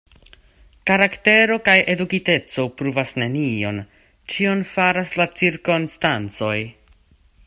Karaktero kaj edukiteco pruvas nenion; ĉion faras la cirkonstancoj.